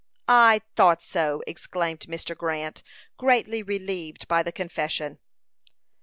"I thought so!" exclaimed Mr. Grant, greatly relieved by the confession.